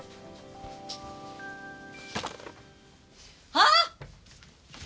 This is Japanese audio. あっ！